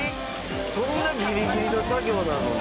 そんなギリギリの作業なのね。